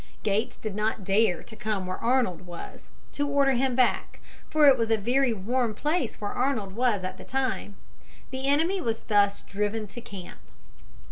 Gates did not dare to come where Arnold was, to order him back, for it was a very warm place where Arnold was at the time. The enemy was thus driven to camp.